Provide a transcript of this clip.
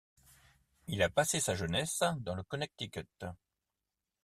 Il a passé sa jeunesse dans le Connecticut.